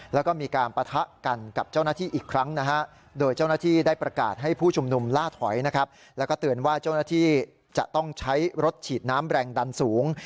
แล้วก็เตือนว่าเจ้าหน้าที่จะต้องใช้รถฉีดน้ำแรงดันสูง